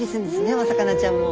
お魚ちゃんも。